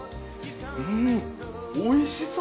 うんおいしそう！